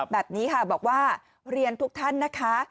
แบบนี้ค่ะบอกว่าเรียนทุกท่านนะคะ